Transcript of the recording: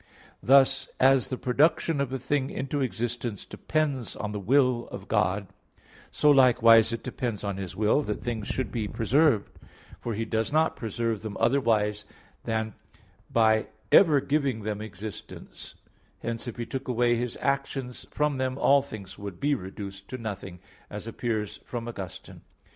Thus, as the production of a thing into existence depends on the will of God, so likewise it depends on His will that things should be preserved; for He does not preserve them otherwise than by ever giving them existence; hence if He took away His action from them, all things would be reduced to nothing, as appears from Augustine (Gen. ad lit.